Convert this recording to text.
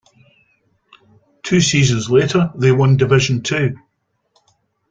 Two seasons later they won Division Two.